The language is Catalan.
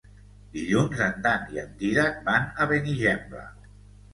Dilluns en Dan i en Dídac van a Benigembla.